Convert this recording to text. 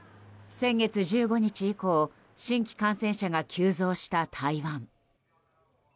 先月１５日以降新規感染者が急増した台湾。